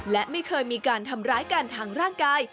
และไม่เคยมีการทำร้ายกันทางร่างกาย